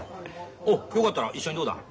おうよかったら一緒にどうだ？